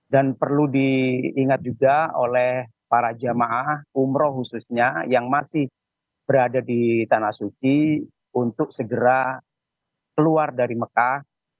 dan perlu diingat juga oleh para jemaah umroh khususnya yang masih berada di tanah suci untuk segera keluar dari mekah